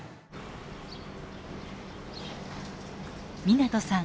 湊さん